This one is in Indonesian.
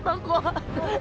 pak kauh hari